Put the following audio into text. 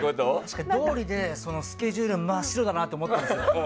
どおりで、スケジュールが真っ白だなと思ったんです。